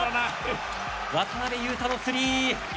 渡邊雄太のスリー。